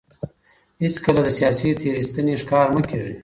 هيڅکله د سياسي تېرايستني ښکار مه کېږئ.